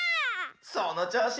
そのちょうし！